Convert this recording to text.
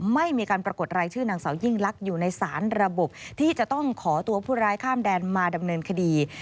ไม่มีการปรากฏรายชื่อนางสาวยิ่งลักษณ์อยู่ในสารระบบที่จะต้องขอตัวผู้ร้ายข้ามแดนมาดำเนินคดี